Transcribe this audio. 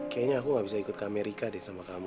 kayaknya aku gak bisa ikut ke amerika deh sama kamu